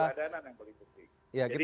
teladanan yang paling penting